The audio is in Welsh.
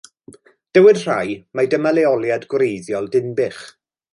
Dywed rhai mai dyma leoliad gwreiddiol Dinbych.